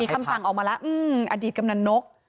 คำสั่งออกมาแล้วอดีตกำนันนก